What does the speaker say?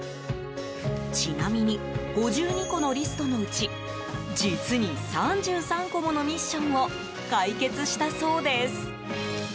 ちなみに５２個のリストのうち実に、３３個ものミッションを解決したそうです。